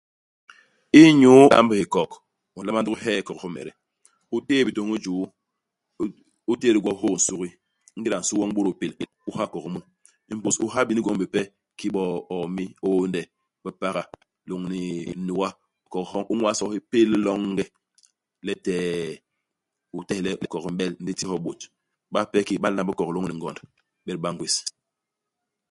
Inyu ilamb hikok, u nlama ndugi hee hikok homede. U téé bitôñ i juu. U u tét gwo, u hôô nsugi. Ingéda nsugi u m'bôdôl pél, u ha hikok mu. Imbus u ha bini gwom bipe, kiki bo hiomi, hiônde, bipaga, lôñni nuga. Hikok hyoñ, u ñwas hyo hi pél longe, letee u tehe le hikok i m'bél ndi u ti hyo bôt. Bape ki ba nlamb hikok lôñni ngond, ibet ba ngwés.